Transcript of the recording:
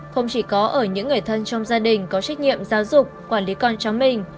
không chỉ có ở những người thân trong gia đình có trách nhiệm giáo dục quản lý con cháu mình